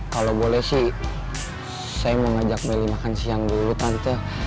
kalau boleh sih saya mau ngajak beli makan siang dulu tante